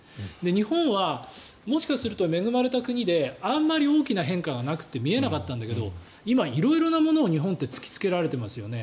日本はもしかすると恵まれた国であんまり大きな変化がなくて見えなかったんだけど今、色々なものを日本って突きつけられてますよね。